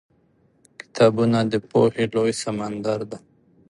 کتابونه د پوهې لوی سمندر دی.